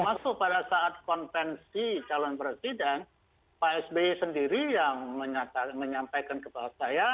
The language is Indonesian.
termasuk pada saat konvensi calon presiden pak s b sendiri yang menyampaikan kepada saya